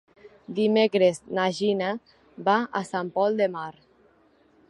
Dimecres na Gina va a Sant Pol de Mar.